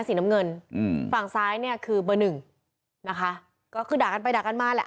สีน้ำเงินอืมฝั่งซ้ายเนี่ยคือเบอร์หนึ่งนะคะก็คือด่ากันไปด่ากันมาแหละ